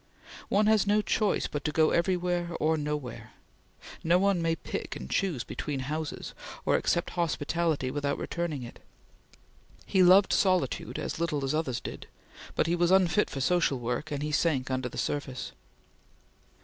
One has no choice but to go everywhere or nowhere. No one may pick and choose between houses, or accept hospitality without returning it. He loved solitude as little as others did; but he was unfit for social work, and he sank under the surface.